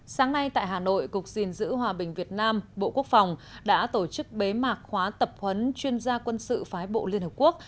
sáng nay tại hà nội cục dình giữ hòa bình việt nam bộ quốc phòng đã tổ chức bế mạc khóa tập huấn chuyên gia quân sự phái bộ liên hợp quốc